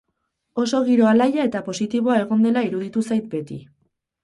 Oso giro alaia eta positiboa egon dela iruditu zait beti.